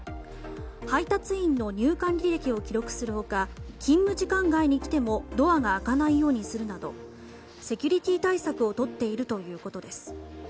配達員の入館履歴を記録する他勤務時間外に来てもドアが開かないようにするなどセキュリティー対策をとっているということです。